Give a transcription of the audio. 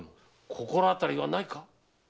心当たりはないか？